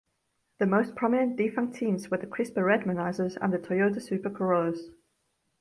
The most prominent defunct teams were the Crispa Redmanizers and the Toyota Super Corollas.